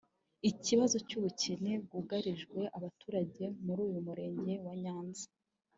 Ikibazo cy’ubukene bwugarije abatuye muri uyu Murenge wa Nyanza